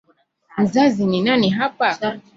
Mzazi ni nani hapa?